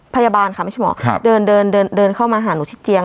พยาบาลค่ะไม่ใช่หมอเดินเดินเข้ามาหาหนูที่เตียง